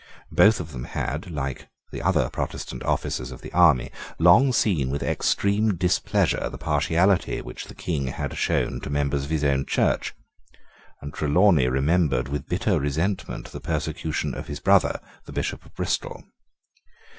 Both of them had, like the other Protestant officers of the army, long seen with extreme displeasure the partiality which the King had shown to members of his own Church; and Trelawney remembered with bitter resentment the persecution of his brother the Bishop of Bristol.